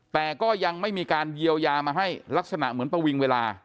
แต่ก็ยังไม่มีการเยียวยามาให้ลักษณะเหมือนประวิงเวลา